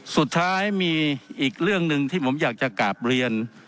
สุดท้ายมีอีกเรื่องหนึ่งที่ผมอยากจะกราบเรียน